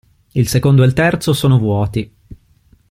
Il secondo e il terzo sono vuoti.